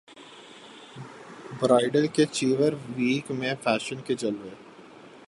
bridal couture week میں fashion کے جلوے